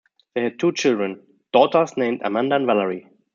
They had two children, daughters named Amanda and Valerie.